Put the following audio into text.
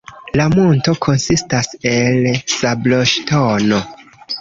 La monto konsistas el sabloŝtono.